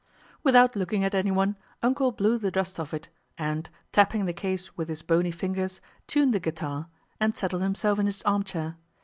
Without looking at anyone, "Uncle" blew the dust off it and, tapping the case with his bony fingers, tuned the guitar and settled himself in his armchair.